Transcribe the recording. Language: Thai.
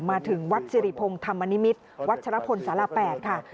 มาถึงวัดสิริพงศ์ธรรมนิมิตรวัชรพลศาลา๘ค่ะ